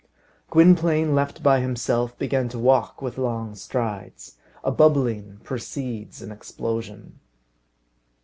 Gwynplaine, left by himself, began to walk with long strides. A bubbling precedes an explosion.